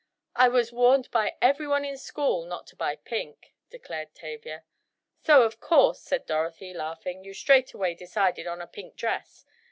"I was warned by everyone in school not to buy pink!" declared Tavia. "So, of course," said Dorothy laughing, "you straightway decided on a pink dress.